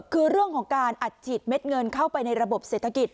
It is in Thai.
คือเรื่องของการอัดฉีดเม็ดเงินเข้าไปในระบบเศรษฐกิจ